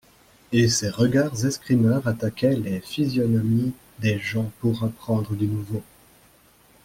Et ses regards escrimeurs attaquaient les physionomies des gens pour apprendre du nouveau.